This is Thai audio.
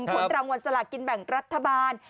ผลรางวัลสลากินแบ่งรัฐบาล